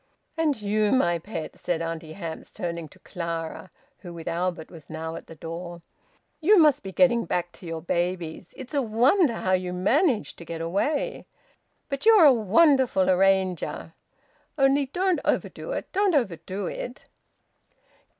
"And you, my pet," said Auntie Hamps, turning to Clara, who with Albert was now at the door. "You must be getting back to your babies! It's a wonder how you manage to get away! But you're a wonderful arranger! ... Only don't overdo it. Don't overdo it!"